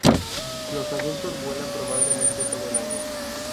Los adultos vuelan probablemente todo el año.